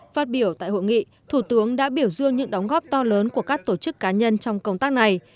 phát biểu tại hội nghị thủ tướng đã biểu dương những đóng góp to lớn của các tổ chức cá nhân trong công tác này